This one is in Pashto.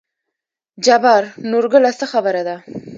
جبار: نورګله څه خبره ده.